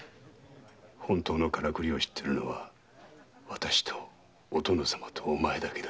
本当のカラクリを知っているのは私とお殿様とお前だけだ。